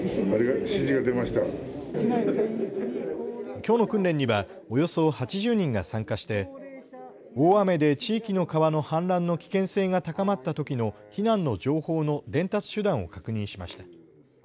きょうの訓練にはおよそ８０人が参加して大雨で地域の川の氾濫の危険性が高まったときの避難の情報の伝達手段を確認しました。